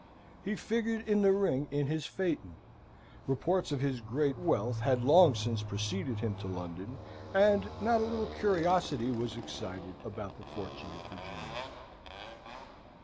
He figured in the Ring in his phaeton. Reports of his great wealth had long since preceded him to London, and not a little curiosity was excited about the fortunate Virginian.